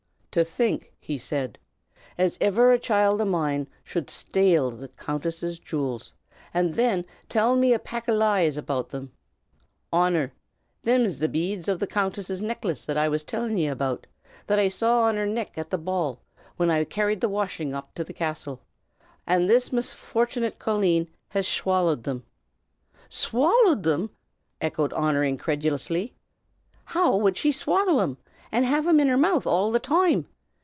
"To think," he said, "as iver a child o' mine shud shtale the Countess's jew'ls, an' thin till me a pack o' lies about thim! Honor, thim is the beads o' the Countess's nickluss that I was tillin' ye about, that I saw on her nick at the ball, whin I carried the washin' oop to the Castle. An' this misfortunate colleen has shwallied 'em." "Shwallied 'em!" echoed Honor, incredulously. "How wud she shwally 'em, an' have 'em in her mouth all the toime?